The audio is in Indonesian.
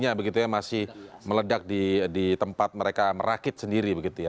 aksi nya masih meledak di tempat mereka merakit sendiri